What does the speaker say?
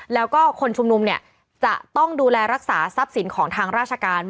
แล้วก็คนชุมนุมเนี่ยจะต้องดูแลรักษาทรัพย์สินของทางราชการ